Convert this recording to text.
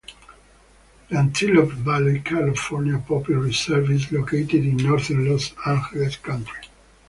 The Antelope Valley California Poppy Reserve is located in northern Los Angeles County.